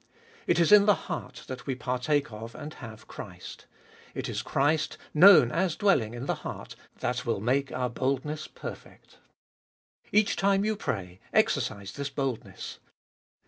It is in the heart that we partake of and have Christ; it is Christ, known as dwelling in the heart, that will make our boldness perfect. 2. Each time you pray, exercise this boldness.